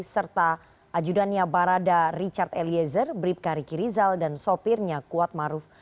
serta ajudannya barada richard eliezer bribka riki rizal dan sopirnya kuat maruf